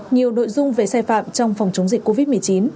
nhiều nội dung về sai phạm trong phòng chống dịch covid một mươi chín